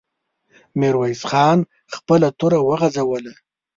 ميرويس خان خپله توره وغورځوله.